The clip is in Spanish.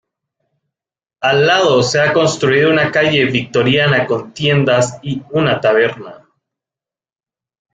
Al lado, se ha construido una calle victoriana con tiendas y una taberna.